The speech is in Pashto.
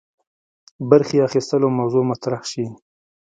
برخي اخیستلو موضوع مطرح سي.